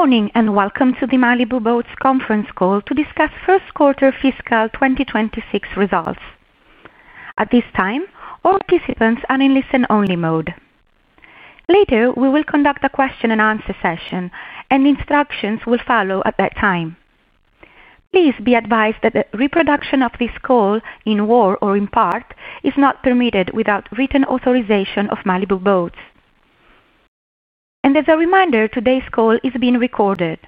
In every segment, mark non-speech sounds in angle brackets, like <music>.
Good morning and welcome to the Malibu Boats Conference Call to discuss First Quarter Fiscal 2026 Results. At this time, all participants are in listen only mode. Later we will conduct a question-and-answer session and instructions will follow at that time. Please be advised that reproduction of this call in whole or in part is not permitted without written authorization of Malibu Boats. As a reminder, today's call is being recorded.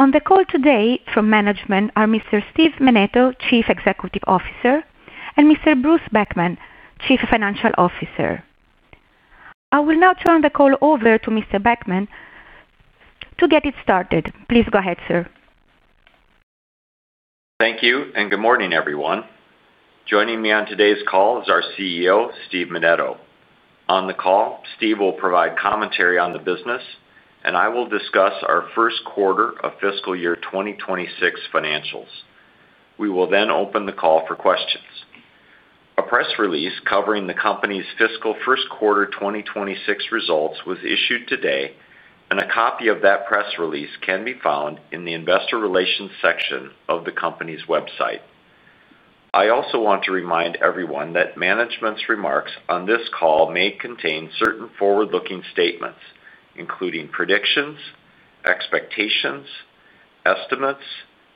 On the call today from management are Mr. Steve Menneto, Chief Executive Officer, and Mr. Bruce Beckman, Chief Financial Officer. I will now turn the call over to Mr. Beckman to get it started. Please go ahead, sir. Thank you and good morning everyone. Joining me on today's call is our CEO Steve Menneto. On the call, Steve will provide commentary on the business and I will discuss our first quarter of fiscal year 2026 financials. We will then open the call for questions. A press release covering the company's fiscal first quarter 2026 results was issued today, and a copy of that press release can be found in the Investor Relations section of the Company's website. I also want to remind everyone that Management's remarks on this call may contain certain forward-looking statements, including predictions, expectations, estimates,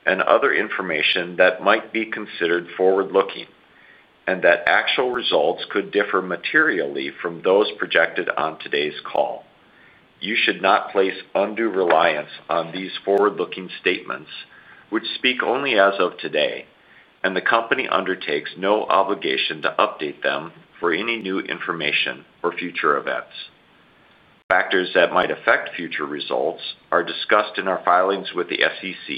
and other information that might be considered forward-looking and that actual results could differ materially from those projected on today's call. You should not place undue reliance on these forward-looking statements, which speak only as of today, and the Company undertakes no obligation to update them for any new information or future events. Factors that might affect future results are discussed in our filings with the SEC,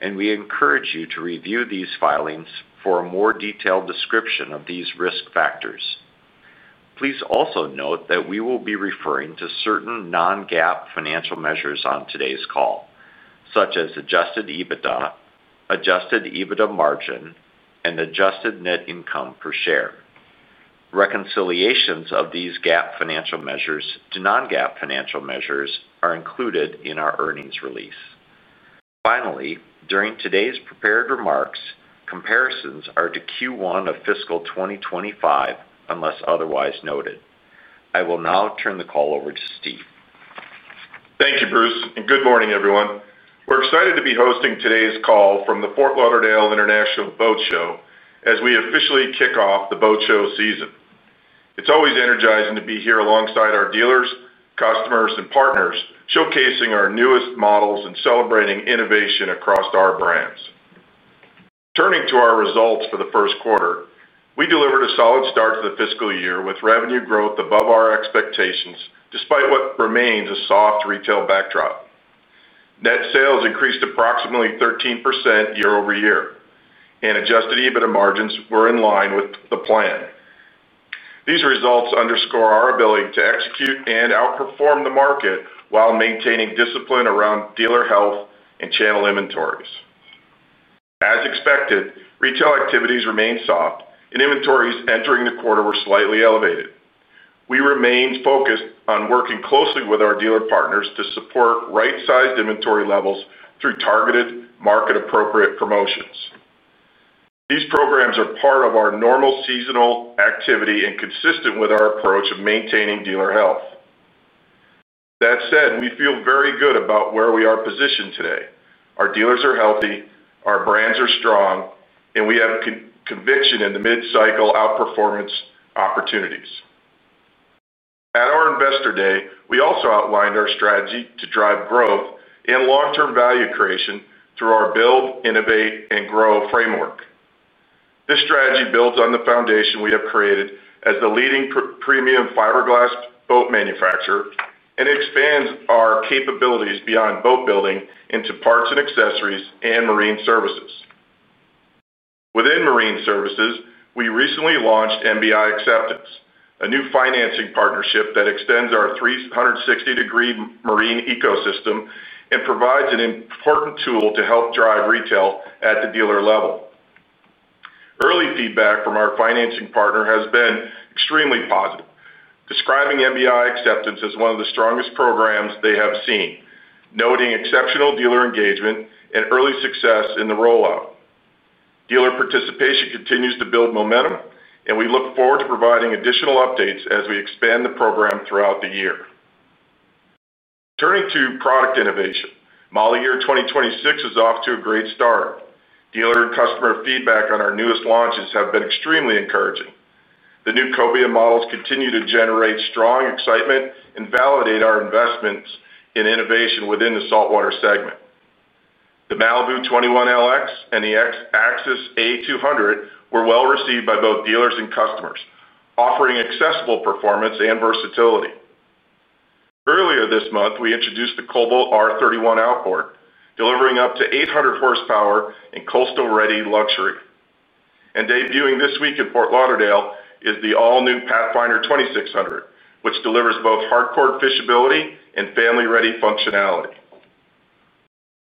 and we encourage you to review these filings for a more detailed description of these risk factors. Please also note that we will be referring to certain non-GAAP financial measures on today's call, such as Adjusted EBITDA, Adjusted EBITDA margin, and adjusted net income per share. Reconciliations of these GAAP financial measures to non-GAAP financial measures are included in our earnings release. Finally, during today's prepared remarks, comparisons are to Q1 of fiscal 2025 unless otherwise noted. I will now turn the call over to Steve. Thank you, Bruce, and good morning, everyone. We're excited to be hosting today's call from the Fort Lauderdale International Boat Show as we officially kick off the boat show season. It's always energizing to be here alongside our dealers, customers, and partners, showcasing our newest models and celebrating innovation across our brands. Turning to our results for the first quarter, we delivered a solid start to the fiscal year with revenue growth above our expectations. Despite what remains a soft retail backdrop, net sales increased approximately 13% year-over-year, and Adjusted EBITDA margins were in line with the plan. These results underscore our ability to execute and outperform the market while maintaining discipline around dealer health and channel inventories. As expected, retail activities remained soft, and inventories entering the quarter were slightly elevated. We remain focused on working closely with our dealer partners to support rightsized inventory levels through targeted, market-appropriate promotions. These programs are part of our normal seasonal activity and consistent with our approach of maintaining dealer health. That said, we feel very good about where we are positioned today. Our dealers are healthy, our brands are strong, and we have conviction in the mid-cycle outperformance opportunities. At our Investor Day, we also outlined our strategy to drive growth and long-term value creation through our Build, Innovate, and Grow framework. This strategy builds on the foundation we have created as the leading premium fiberglass boat manufacturer and expands our capabilities beyond boat building into parts and accessories and marine services. Within Marine Services, we recently launched MBI Acceptance, a new financing partnership that extends our 360-degree marine ecosystem and provides an important tool to help drive retail at the dealer level. Early feedback from our financing partner has been extremely positive, describing MBI Acceptance as one of the strongest programs they have seen, noting exceptional dealer engagement and early success in the rollout. Dealer participation continues to build momentum, and we look forward to providing additional updates as we expand the program throughout the year. Turning to product innovation, model year 2026 is off to a great start. Dealer and customer feedback on our newest launches have been extremely encouraging. The new Kobia models continue to generate strong excitement and validate our investments in innovation within the saltwater segment. The Malibu 21 LX and the X-Axis A200 were well received by both dealers and customers, offering accessible performance and versatility. Earlier this month we introduced the Cobalt R31 Outboard, delivering up to 800 horsepower in coastal-ready luxury, and debuting this week at Fort Lauderdale, it is the all-new Pathfinder 2600 which delivers both hardcore fishability and family-ready functionality.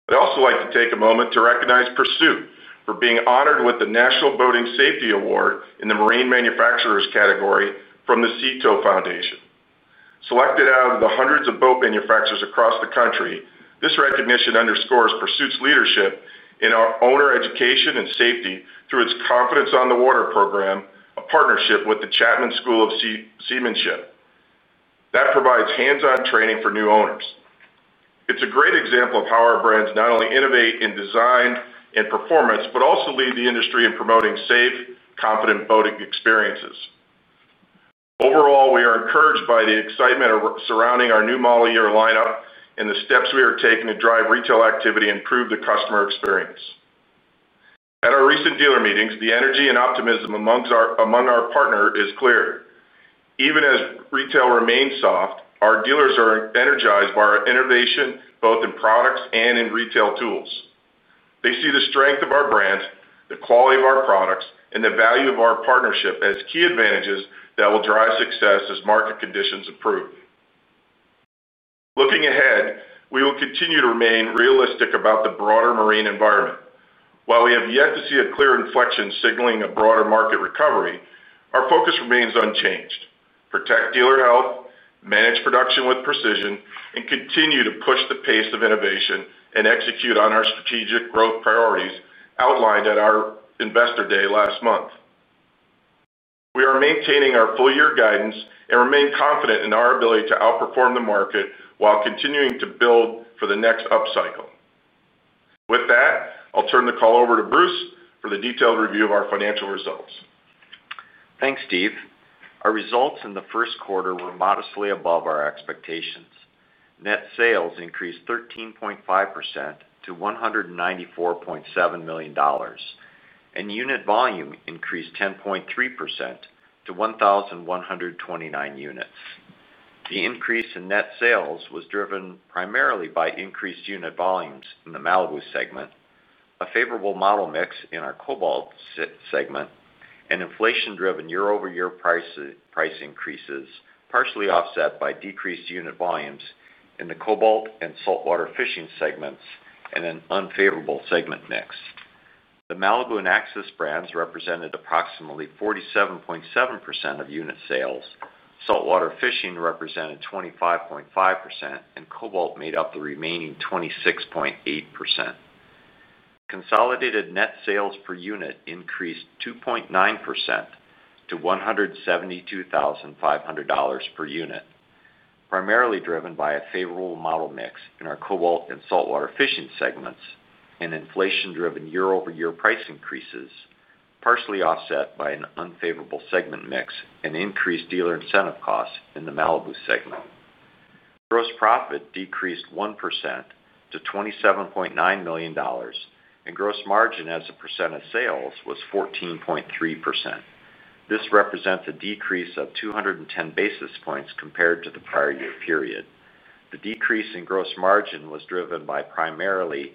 I'd also like to take a moment to recognize Pursuit for being honored with the National Boating Safety Award in the Marine Manufacturers category from the STO Foundation. Selected out of the hundreds of boat manufacturers across the country, this recognition underscores Pursuit's leadership in our owner education and safety through its Confidence on the Water program, a partnership with the Chapman School of Seamanship that provides hands-on training for new owners. It's a great example of how our brands not only innovate in design and performance, but also lead the industry in promoting safe, confident boating experiences. Overall, we are encouraged by the excitement surrounding our new model year lineup and the steps we are taking to drive retail activity and improve the customer experience. At our recent dealer meetings, the energy and optimism among our partners is clear even as retail remains soft. Our dealers are energized by our innovation both in products and in retail tools. They see the strength of our brand, the quality of our products, and the value of our partnership as key advantages that will drive success as market conditions improve. Looking ahead, we will continue to remain realistic about the broader marine environment. While we have yet to see a clear inflection signaling a broader market recovery, our focus remains unchanged: protect dealer health, manage production with precision, and continue to push the pace of innovation and execute on our strategic growth priorities outlined at our Investor Day last month. We are maintaining our full year guidance and remain confident in our ability to outperform the market while continuing to build for the next up cycle. With that, I'll turn the call over to Bruce for the detailed review of our financial results. Thanks, Steve. Our results in the first quarter were modestly above our expectations. Net sales increased 13.5% to $194.7 million and unit volume increased 10.3% to 1,129 units. The increase in net sales was driven primarily by increased unit volumes in the Malibu segment, a favorable model mix in our Cobalt segment, and inflation-driven year-over-year price increases, partially offset by decreased unit volumes in the Cobalt and Saltwater Fishing segments and an unfavorable segment mix. The Malibu and Axis brands represented approximately 47.7% of unit sales. Saltwater Fishing represented 25.5% and Cobalt made up the remaining 26.8%. Consolidated net sales per unit increased 2.9% to $172,500 per unit, primarily driven by a favorable model mix in our Cobalt and Saltwater Fishing segments and inflation-driven year-over-year price increases, partially offset by an unfavorable segment mix and increased dealer incentive costs. In the Malibu segment, gross profit decreased 1% to $27.9 million and gross margin as a percent of sales was 14.3%. This represents a decrease of 210 basis points compared to the prior year period. The decrease in gross margin was driven primarily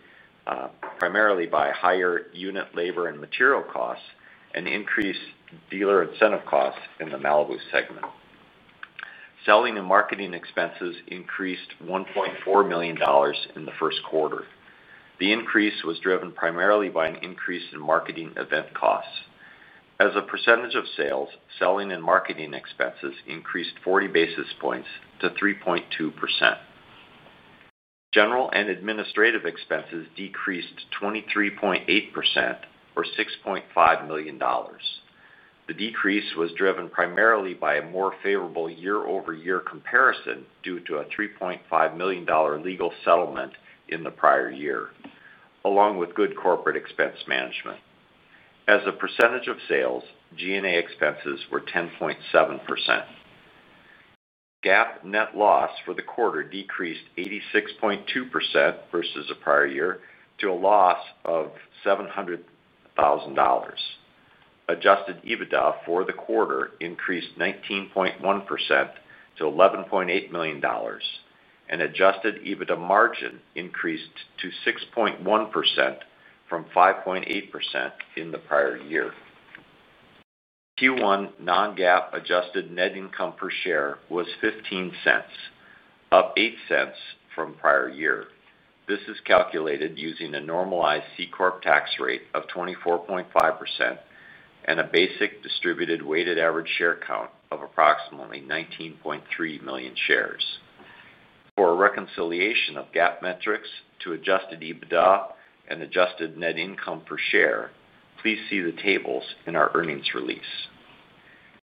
by higher unit labor and material costs and increased dealer incentive costs. In the Malibu segment, selling and marketing expenses increased $1.4 million in the first quarter. The increase was driven primarily by an increase in marketing event costs as a percentage of sales. Selling and marketing expenses increased 40 basis points to 3.2%. General and administrative expenses decreased 23.8% or $6.5 million. The decrease was driven primarily by a more favorable year-over-year comparison due to a $3.5 million legal settlement in the prior year along with good corporate expense management. As a percentage of sales, G&A expenses were 10.7%. GAAP net loss for the quarter decreased 86.2% versus the prior year to a loss of $700,000. Adjusted EBITDA for the quarter increased 19.1% to $11.8 million and Adjusted EBITDA margin increased to 6.1% from 5.8% in the prior year. Q1 non-GAAP adjusted net income per share was $0.15, up $0.08 from prior year. This is calculated using a normalized C-Corp. tax rate of 24.5% and a basic distributed weighted average share count of approximately 19.3 million shares. For a reconciliation of GAAP metrics to Adjusted EBITDA and adjusted net income per share, please see the tables in our earnings release.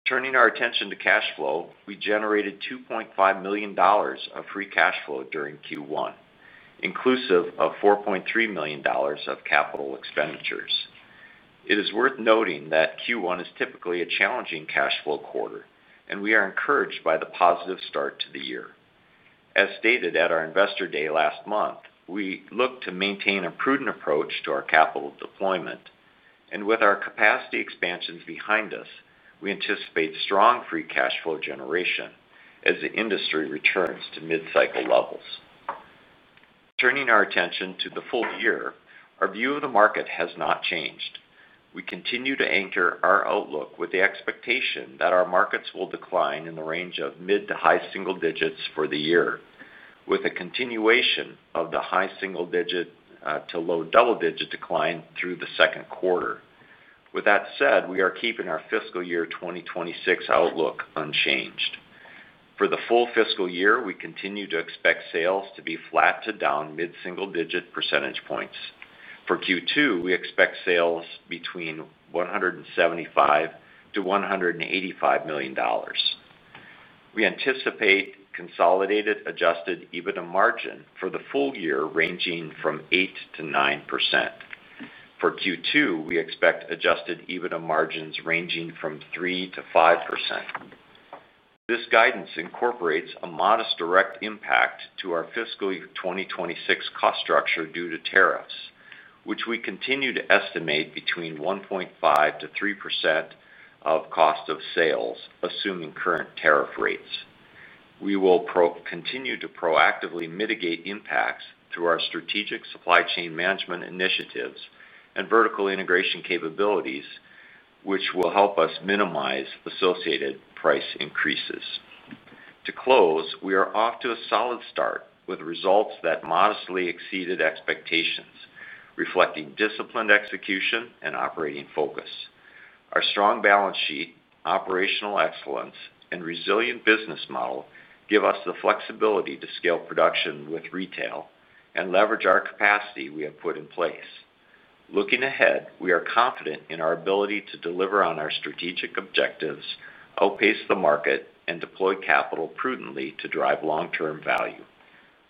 Turning our attention to cash flow, we generated $2.5 million of free cash flow during Q1 inclusive of $4.3 million of capital expenditures. It is worth noting that Q1 is typically a challenging cash flow quarter, and we are encouraged by the positive start to the year. As stated at our Investor Day last month, we look to maintain a prudent approach to our capital deployment, and with our capacity expansions behind us, we anticipate strong free cash flow generation as the industry returns to mid-cycle levels. Turning our attention to the full year, our view of the market has not changed. We continue to anchor our outlook with the expectation that our markets will decline in the range of mid to high single digits for the year, with a continuation of the high single digit to low double digit decline through the second quarter. With that said, we are keeping our fiscal year 2026 outlook unchanged. For the full fiscal year, we continue to expect sales to be flat to down mid single digit percentage points. For Q2, we expect sales between $175 million-$185 million. We anticipate consolidated Adjusted EBITDA margin for the full year ranging from 8%-9%. For Q2, we expect Adjusted EBITDA margins ranging from 3%-5%. This guidance incorporates a modest direct impact to our fiscal year 2026 cost structure due to tariffs, which we continue to estimate between 1.5%-3% of cost of sales. Assuming current tariff rates, we will continue to proactively mitigate impacts through our strategic supply chain management initiatives and vertical integration capabilities, which will help us minimize associated price increases. To close, we are off to a solid start with results that modestly exceeded expectations, reflecting disciplined execution and operating focus. Our strong balance sheet, operational excellence, and resilient business model give us the flexibility to scale production with retail and leverage our capacity we have put in place. Looking ahead, we are confident in our ability to deliver on our strategic objectives, outpace the market, and deploy capital prudently to drive long term value.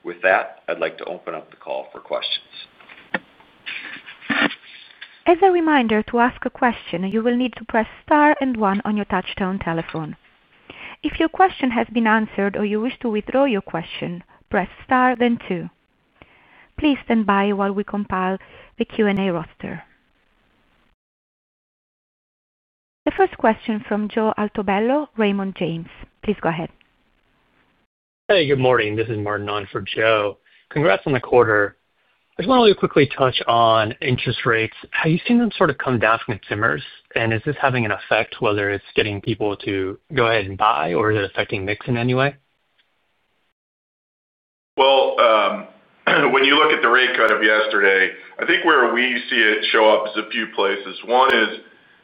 With that, I'd like to open up the call for questions. As a reminder to ask a question, you will need to press star and one on your touchtone telephone. If your question has been answered or you wish to withdraw your question, press star then two. Please stand by while we compile the Q&A roster. The first question from Joe Altobello, Raymond James, please go ahead. Hey, good morning, this is Martin on for Joe. Congrats on the quarter. I just wanted to quickly touch on interest rates. Have you seen them sort of come down from consumers, and is this having an effect whether it's getting people to go ahead and buy, or is it affecting mix in any way? When you look at the rate cut of yesterday, I think where we see it show up is a few places. One is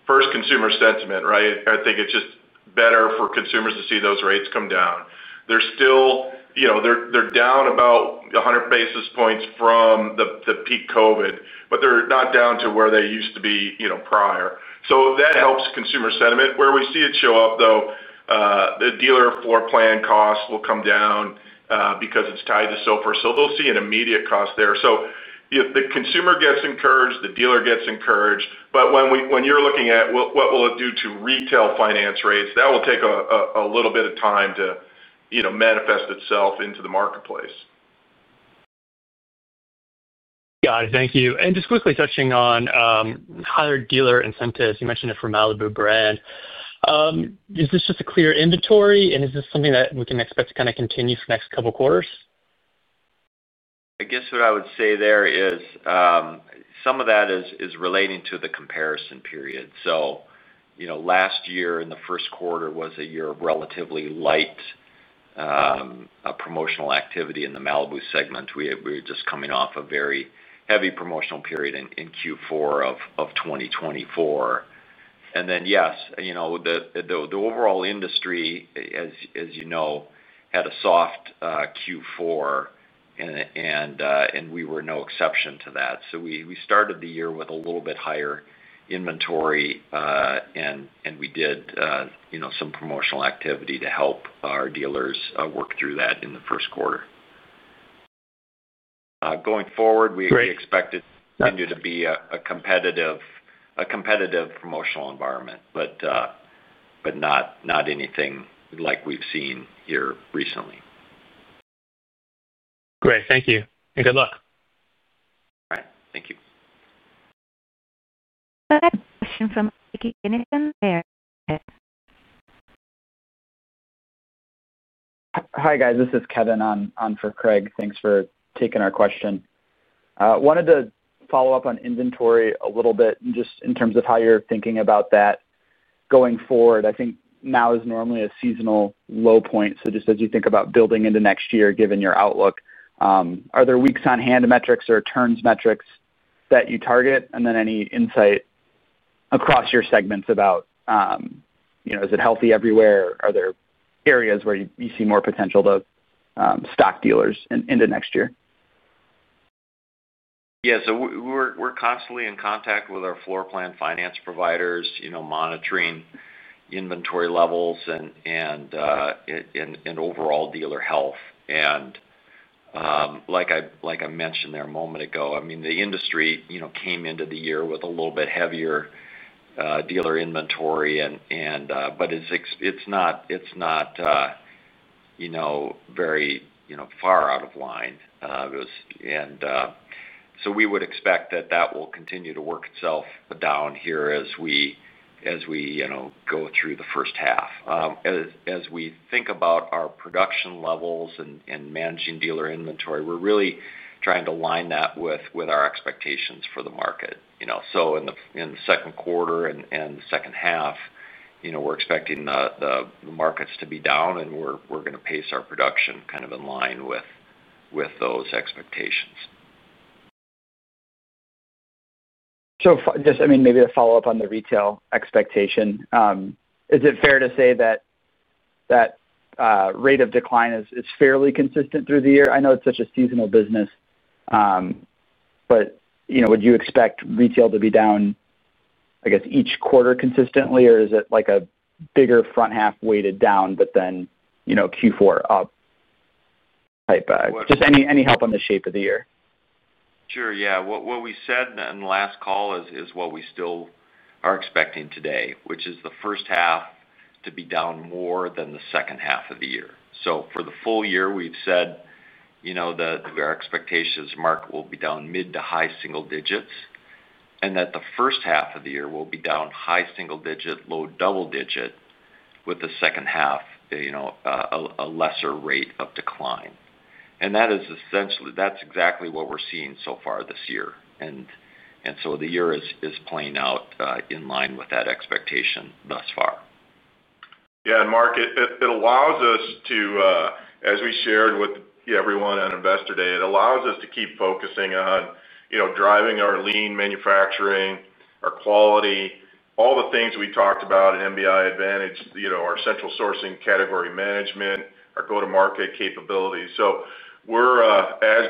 first, consumer sentiment. Right. I think it's just better for consumers to see those rates come down. They're still, you know, they're down about 100 basis points from the peak COVID, but they're not down to where they used to be, you know, prior. That helps consumer sentiment. Where we see it show up though, the dealer floor plan cost will come down because it's tied to SOFR. They'll see an immediate cost there. The consumer gets encouraged, the dealer gets encouraged. When you're looking at what will it do to retail finance rates, that will take a little bit of time to manifest itself into the marketplace. Got it, thank you. Just quickly touching on higher dealer incentives, you mentioned for Malibu brand. Is this just to clear inventory and is this something that we can expect to continue for the next couple quarters? I guess what I would say there is some of that is relating to the comparison period. Last year in the first quarter was a year of relatively light promotional activity in the Malibu segment. We were just coming off a very heavy promotional period in Q4 of 2024. Yes, the overall industry, as you know, had a soft Q4 and we were no exception to that. We started the year with a little bit higher inventory and we did some promotional activity to help our dealers work through that in the first quarter. Going forward, we expect it to be a competitive promotional environment, but not anything like we've seen here recently. Great, thank you and good luck. Thank you. The next question is from <audio distortion> Hi guys, this is Kevin on for Craig. Thanks for taking our question. Wanted to follow up on inventory a little bit just in terms of how you're thinking about that going forward. I think now is normally a seasonal low point. Just as you think about building into next year, given your outlook, are there weeks on hand metrics or turns metrics that you target and any insight across your segments about is it healthy everywhere? Are there areas where you see more potential to stock dealers into next year? Yeah, we're constantly in contact with our floor plan finance providers monitoring inventory levels and overall dealer health. Like I mentioned a moment ago, the industry came into the year with a little bit heavier dealer inventory, but it's not very far out of line. We would expect that will continue to work itself down here as we go through the first half. As we think about our production levels and managing dealer inventory, we're really trying to align that with our expectations for the market. In the second quarter and the second half, we're expecting the markets to be down and we're going to pace our production in line with those expectations. Maybe a follow up on the retail expectation. Is it fair to say that rate of decline is fairly consistent through the year? I know it's such a seasonal business, but would you expect retail to be down each quarter consistently, or is it like a bigger front half weighted down, but then Q4 up? Any help on the shape of the year? Sure, yes. What we said in the last call is what we still are expecting today, which is the first half to be down more than the second half of the year. For the full year, we've said that our expectation is market will be down mid to high single digits and that the first half of the year will be down high single digit, low double digit, with the second half a lesser rate of decline. That is essentially exactly what we're seeing so far this year. The year is playing out in line with that expectation thus far. Yeah. Mark, it allows us to, as we shared with everyone on Investor Day, it allows us to keep focusing on driving our lean manufacturing, our quality. All the things we talked about at MBI Advantage, our central sourcing category management, our go to market capability. As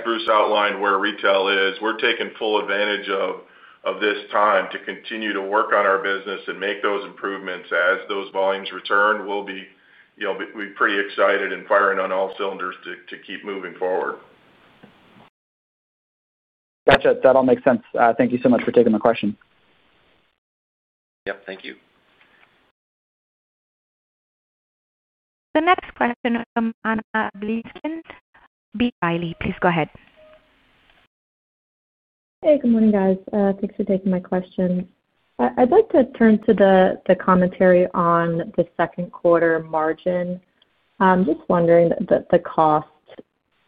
Bruce outlined, where retail is, we're taking full advantage of this time to continue to work on our business and make those improvements. As those volumes return, we'll be pretty excited and firing on all cylinders to keep moving forward. Gotcha. That all makes sense. Thank you so much for taking the question. Thank you. The next question is from Anna Glaessgen, B. Riley, please go ahead. Hey, good morning guys. Thanks for taking my question. I'd like to turn to the commentary on the second quarter margin. Just wondering the cost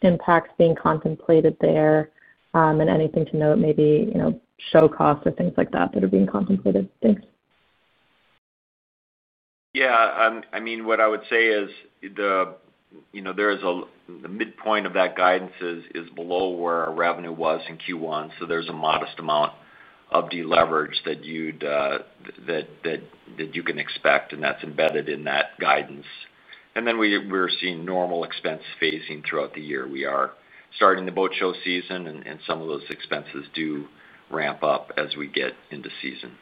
impacts being contemplated there and anything to note, maybe show costs or things like that that are being contemplated. Thanks. Yeah, I mean what I would say is there is a midpoint of that guidance is below where our revenue was in Q1. There's a modest amount of deleverage that you can expect, and that's embedded in that guidance. We're seeing normal expense phasing throughout the year. We are starting the boat show season, and some of those expenses do ramp up as we get into season.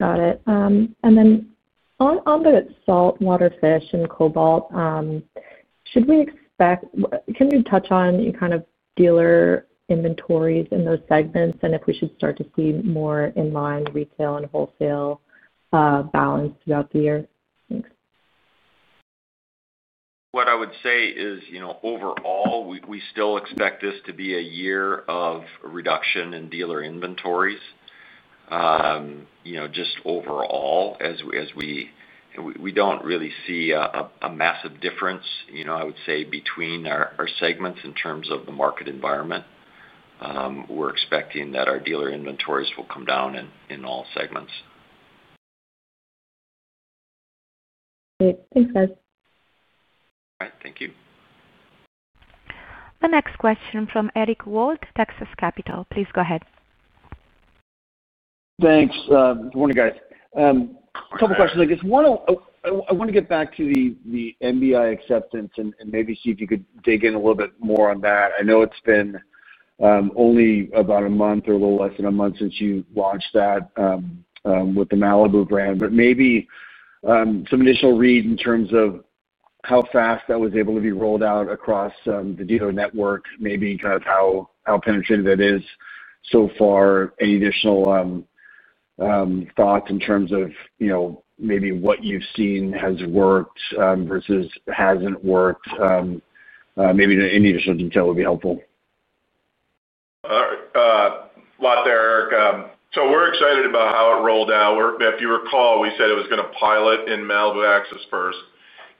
Got it. On the Salt Waterfish and Cobalt, should we expect, can you touch on kind of dealer inventories in those segments and if we should start to see more in line retail and wholesale balance throughout the year? What I would say is, overall we still expect this to be a year of reduction in dealer inventories. Just overall, as we don't really see a massive difference, I would say, between our segments in terms of the market environment. We're expecting that our dealer inventories will come down in all segments. Great, thanks guys. All right, thank you. The next question from Eric Wold, Texas Capital, please go ahead. Thanks. Good morning guys. Couple questions. I guess I want to get back to the MBI Acceptance and maybe see if you could dig in a bit more on that. I know it's been only about a month or a little less than a month since you launched that with the Malibu brand, but maybe some initial read in terms of how fast that was able to be rolled out across the dealer network. Maybe how penetrated that is so far. Any additional thoughts in terms of maybe what you've seen has worked versus hasn't worked. Maybe any helpful. A lot there, Eric. We're excited about how it rolled out. If you recall, we said it was going to pilot in Malibu Axis first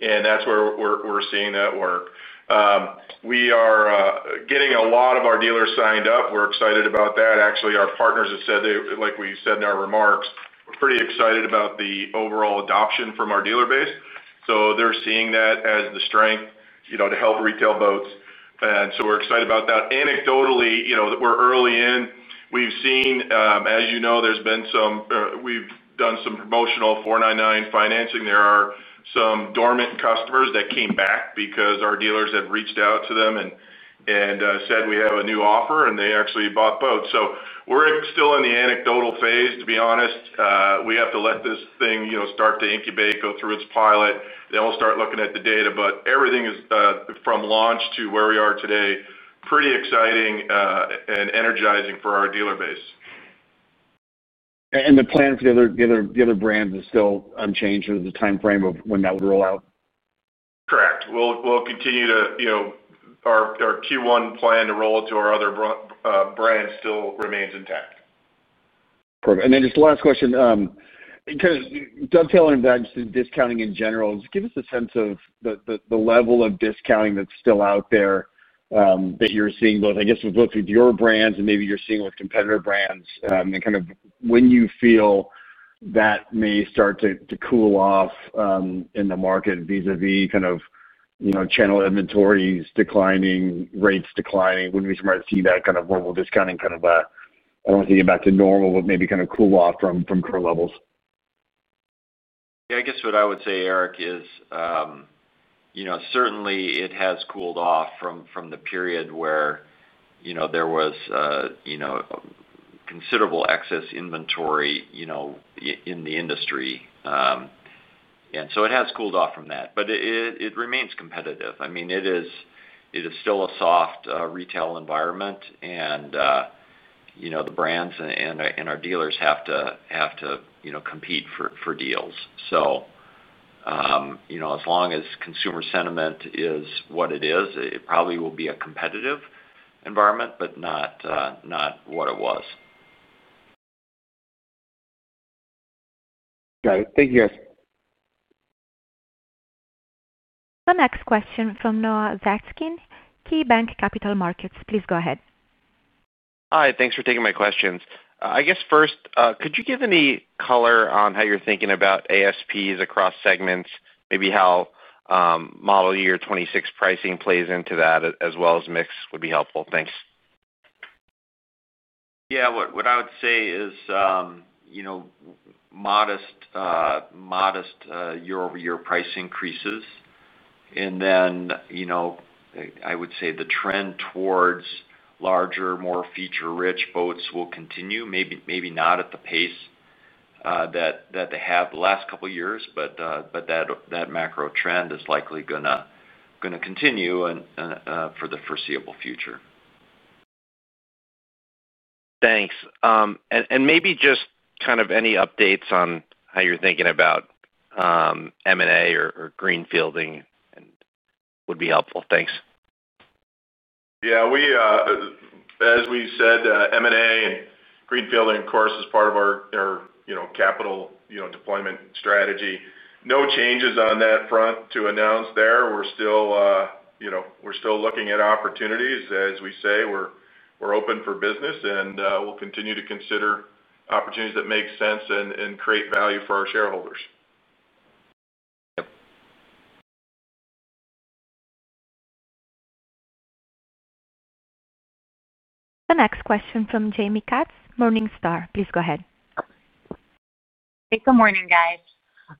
and that's where we're seeing that work. We are getting a lot of our dealers signed up. We're excited about that. Actually, our partners have said, like we said in our remarks, we're pretty excited about the overall adoption from our dealer base. They're seeing that as the strength to help retail boats. We're excited about that. Anecdotally, we're early in, we've seen, as you know, we've done some promotional $499 financing. There are some dormant customers that came back because our dealers have reached out to them and said we have a new offer and they actually bought boats. We're still in the anecdotal phase, to be honest. We have to let this thing start to incubate, go through its pilot, then we'll start looking at the data. Everything is from launch to where we are today, pretty exciting and energizing for our dealer base. The plan for the other brands is still unchanged, or the timeframe of when that would roll out, correct. will continue to our Q1 plan to roll it to our other brands still remains intact. Perfect. And then just last question, dovetailer and just discounting in general. Just give us a sense of the level of discounting that's still out there that you're seeing both, I guess with both your brands and maybe you're seeing with competitor brands and kind of when you feel that may start to cool off in the market vis-a-vis kind of channel inventories declining, rates declining. When we see that kind of discounting kind of, I don't want to get back to normal but maybe kind of cool off from current levels. Yeah, I guess what I would say, Eric, is certainly it has cooled off from the period where there was considerable excess inventory in the industry. It has cooled off from that, but it remains competitive. It is still a soft retail environment and the brands and our dealers have to compete for deals. As long as consumer sentiment is what it is, it probably will be a competitive environment, but not what it was. Got it. Thank you guys. The next question from Noah Zatzkin, KeyBanc Capital Markets. Please go ahead. Hi. Thanks for taking my questions. I guess first, could you give any? Color on how you're thinking about ASPs across segments? Maybe how model year 2026 pricing plays into that as well as mix would be helpful, thanks. Yeah, what I would say is we have modest year-over-year price increases. I would say the trend towards larger, more feature rich boats will continue, maybe not at the pace that they have the last couple years, but that macro trend is likely going to continue for the foreseeable future. Thanks. Maybe just kind of any updates on how you're thinking about M&A or greenfielding would be helpful. Thanks. Yeah, as we said, M&A and greenfielding, of course, is part of our capital deployment strategy. No changes on that front to announce. We're still looking at opportunities, as we say, we're open for business and we'll continue to consider opportunities that make sense and create value for our shareholders. The next question from Jaime Katz, Morningstar. Please go ahead. Good morning, guys.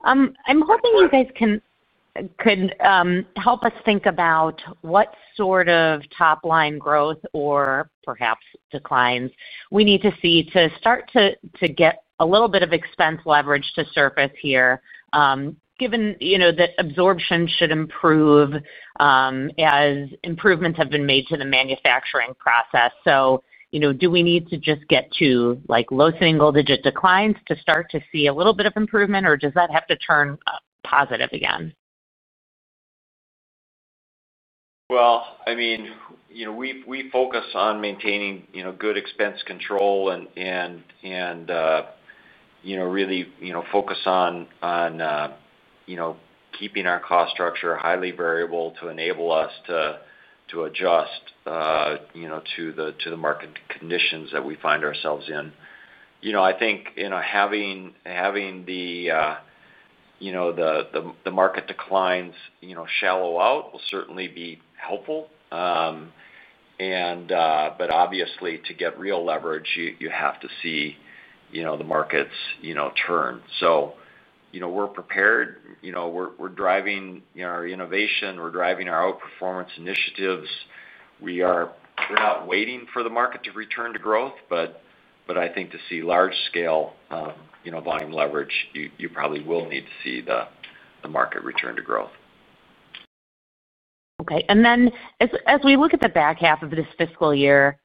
I'm hoping you guys can help us think about what sort of top line growth or perhaps declines we need to see to start to get a little bit of expense leverage to surface here, given that absorption should improve as improvements have been made to the manufacturing process. Do we need to just get to low single digit declines to start to see a little bit of improvement, or does that have to turn positive again? We focus on maintaining good expense control and really focus on keeping our cost structure highly variable to enable us to adjust to the market conditions that we find ourselves in. I think having the market declines shallow out will certainly be helpful. Obviously, to get real leverage, you have to see the markets turn. We're prepared. We're driving our innovation, we're driving our outperformance initiatives. We're not waiting for the market to return to growth, but I think to see large scale volume leverage, you probably will need to see the market return to growth. Okay. As we look at the back half of this fiscal year,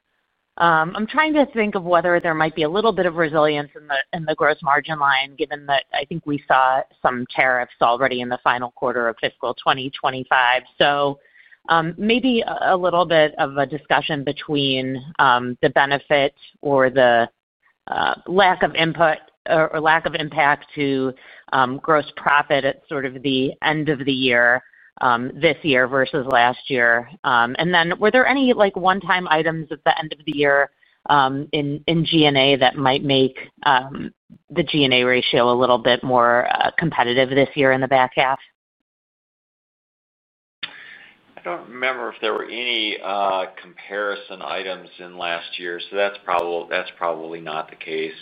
I'm trying to think of whether there might be a little bit of resilience in the gross margin line, given that I think we saw some tariffs already in the final quarter of fiscal 2025. Maybe a little bit of a discussion between the benefit or the lack of input or lack of impact to gross profit at the end of the year this year versus last year. Were there any one-time items at the end of the year in G&A that might make the G&A ratio a little bit more competitive this year in the back half? I don't remember if there were any comparison items in last year, so that's probably not the case.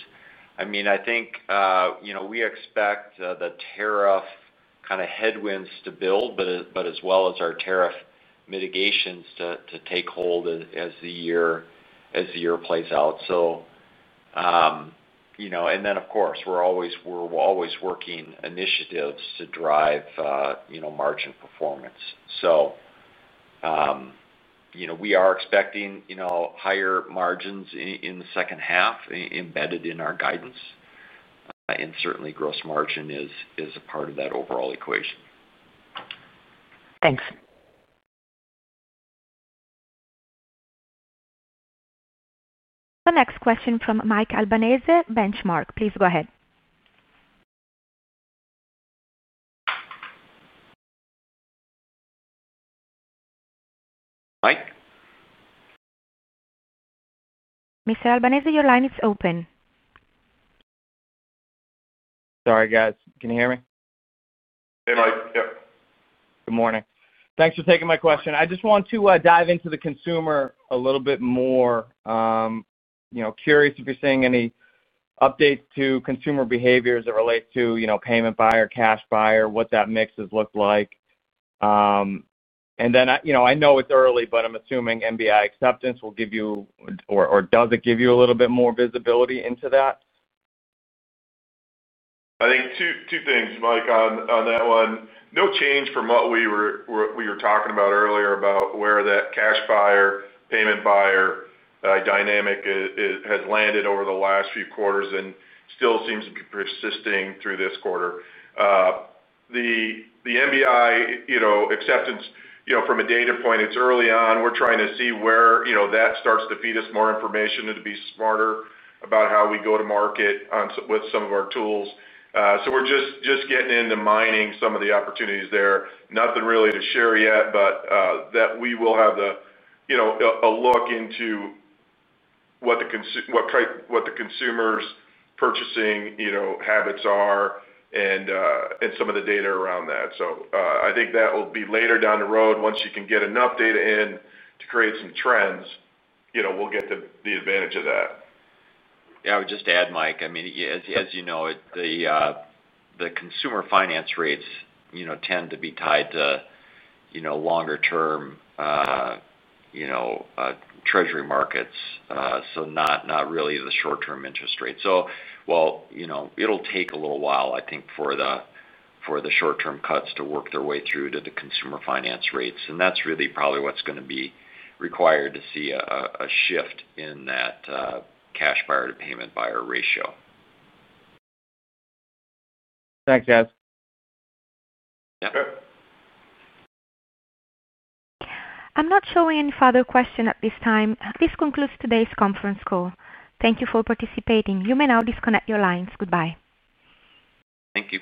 I mean, I think we expect the tariff kind of headwinds to build, as well as our tariff mitigations to take hold as the year plays out. Of course, we're always working initiatives to drive margin performance. So. We are expecting higher margins in the second half embedded in our guidance, and certainly gross margin is a part of that overall equation. Thanks. The next question from Mike Albanese, Benchmark, please go ahead. Mike. Mr. Albanese, your line is open. Sorry, guys. Can you hear me? Hey Mike. Yep, good morning. Thanks for taking my question. I just want to dive into the consumer a little bit more. Curious if you're seeing any updates to consumer behavior as it relates to payment buyer, cash buyer, what that mix has looked like. I know it's early, but I'm assuming MBI Acceptance will give you or does it give you a little bit more visibility into that? I think two things, Mike, on that. One, no change from what we were talking about earlier about where that cash buyer, payment buyer dynamic has landed over the last few quarters and still seems to be persisting through this quarter. The MBI Acceptance, from a data point, it's early on. We're trying to see where that starts to feed us more information and to be smarter about how we go to market with some of our tools. We're just getting into mining some of the opportunities there. Nothing really to share yet, but that we will have a look into. What. The consumers' purchasing habits are, and some of the data around that. I think that will be later down the road once you can get enough data in to create some trends. We'll get the advantage of that. Yeah, I would just add, Mike, I mean as you know, the consumer finance rates tend to be tied to longer term treasury markets, not really the short term interest rate. It will take a little while, I think, for the short term cuts to work their way through to the consumer finance rates, and that's really probably what's going to be required to see a shift in that cash buyer to payment buyer ratio. Thanks, guys. I'm not showing any further questions at this time. This concludes today's conference call. Thank you for participating. You may now disconnect your lines. Goodbye. Thank you.